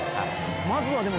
まずはでも。